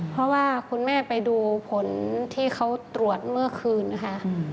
เพราะว่าคุณแม่ไปดูผลที่เขาตรวจเมื่อคืนนะคะ